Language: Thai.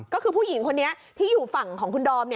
ก็คือผู้หญิงคนนี้ที่อยู่ฝั่งของคุณดอม